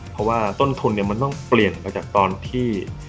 เพราะว่าต้นทุนมันต้องเปลี่ยนไปจากตอนที่